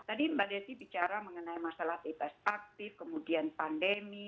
tadi mbak desi bicara mengenai masalah bebas aktif kemudian pandemi